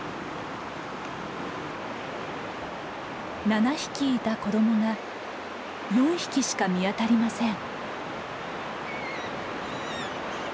７匹いた子どもが４匹しか見当たりません。